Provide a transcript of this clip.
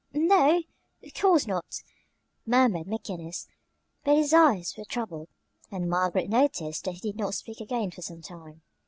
"N no, of course not," murmured McGinnis; but his eyes were troubled, and Margaret noticed that he did not speak again for some time.